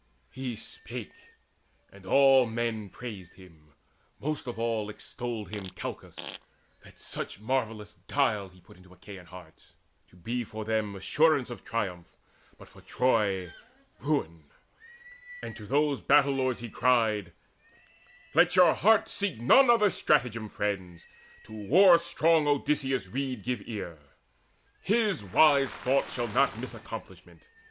He spake, and all men praised him: most of all Extolled him Calchas, that such marvellous guile He put into the Achaeans' hearts, to be For them assurance of triumph, but for Troy Ruin; and to those battle lords he cried: "Let your hearts seek none other stratagem, Friends; to war strong Odysseus' rede give ear. His wise thought shall not miss accomplishment.